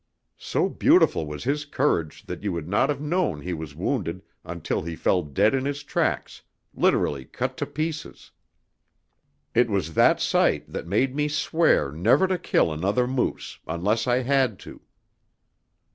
So beautiful was his courage that you would not have known he was wounded until he fell dead in his tracks, literally cut to pieces. It was that sight that made me swear never to kill another moose unless I had to."